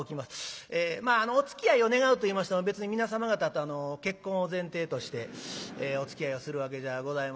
まあ「おつきあいを願う」と言いましても別に皆様方と結婚を前提としておつきあいをするわけじゃございません。